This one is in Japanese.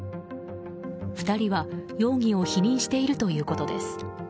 ２人は容疑を否認しているということです。